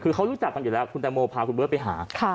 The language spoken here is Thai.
คือเขารู้จักกันอยู่แล้วคุณแตงโมพาคุณเบิร์ตไปหา